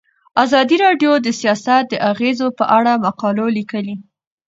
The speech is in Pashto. ازادي راډیو د سیاست د اغیزو په اړه مقالو لیکلي.